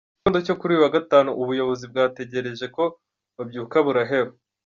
Mu gitondo cyo kuri uyu wa Gatanu, ubuyobozi bwategereje ko babyuka buraheba.